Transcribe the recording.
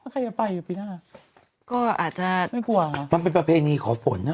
ใครจะไปอ่ะปีหน้าก็อาจจะไม่กลัวค่ะมันเป็นประเพณีขอฝนอ่ะ